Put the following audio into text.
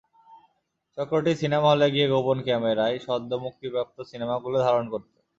চক্রটি সিনেমা হলে গিয়ে গোপন ক্যামেরায় সদ্য মুক্তিপ্রাপ্ত সিনেমাগুলো ধারণ করত।